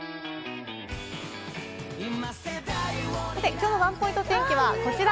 きょうのワンポイント天気はこちら。